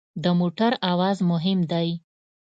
د موټر اواز مهم دی.